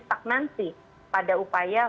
stagnansi pada upaya